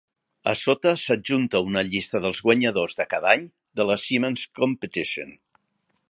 A sota s'adjunta una llista dels guanyadors de cada any de la Siemens Competition.